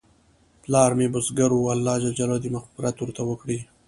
پلار مې بزګر و، الله ج دې مغفرت ورته وکړي